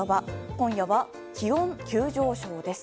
今夜は、気温急上昇です。